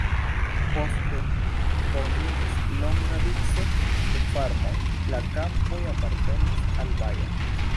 Poste formiĝis longa vico de farmoj, la kampoj apartenis al Baja.